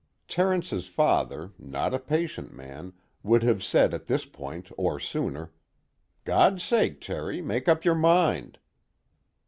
Terence's father, not a patient man, would have said at this point or sooner: "God sake, Terry, make up your mind!"